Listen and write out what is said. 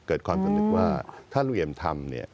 เกิดความสำนึกว่าถ้าลุงเอี่ยมทำเนี่ย